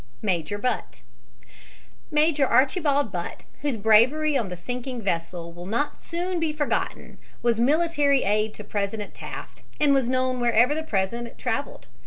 MAJOR BUTT Major Archibald Butt, whose bravery on the sinking vessel will not soon be forgotten, was military aide to President Taft and was known wherever the President traveled.